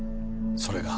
それが？